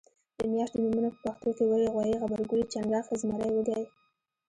د میاشتو نومونه په پښتو کې وری غویي غبرګولی چنګاښ زمری وږی